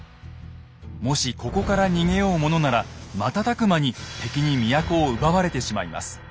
もしここから逃げようものなら瞬く間に敵に都を奪われてしまいます。